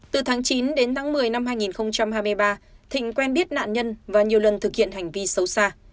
từ tháng chín đến tháng một mươi năm hai nghìn hai mươi ba thịnh quen biết nạn nhân và nhiều lần thực hiện hành vi xấu xa